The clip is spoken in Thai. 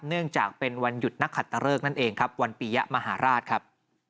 เนื่องจากเป็นวันหยุดนักขัตตะเริกนั่นเองครับวันปียะมหาราชครับ